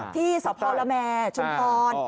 ที่สภละแมร์ชุมพร